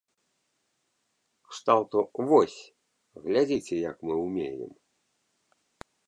Кшталту, вось, глядзіце, як мы ўмеем!